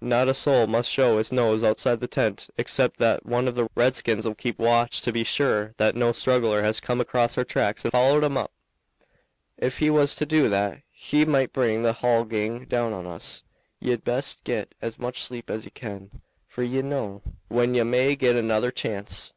"Not a soul must show his nose outside the tent except that one of the redskins'll keep watch to be sure that no straggler has come across our tracks and followed 'em up. Ef he was to do that, he might bring the hull gang down on us. Ye'd best get as much sleep as ye can, for ye don't know when ye may get another chance."